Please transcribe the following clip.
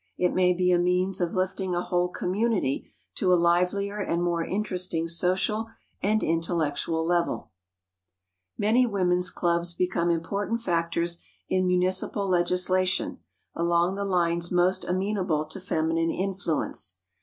It may be a means of lifting a whole community to a livelier and more interesting social and intellectual level. [Sidenote: HELPING IN LEGISLATION] Many women's clubs become important factors in municipal legislation along the lines most amenable to feminine influence.